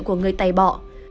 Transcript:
của người tày bọ